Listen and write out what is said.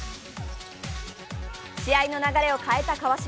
試合の流れを変えた川島。